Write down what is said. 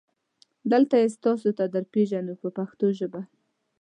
دلته یې تاسو ته درپېژنو په پښتو ژبه.